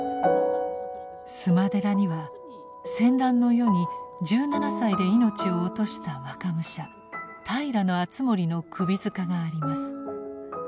須磨寺には戦乱の世に１７歳で命を落とした若武者平敦盛の首塚があります。